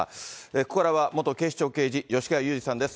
ここからは元警視庁刑事、吉川祐二さんです。